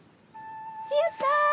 やった！